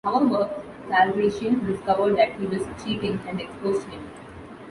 However, Calrissian discovered that he was cheating and exposed him.